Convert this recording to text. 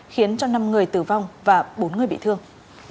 khiến cho năm người tử vong và bốn người bị thương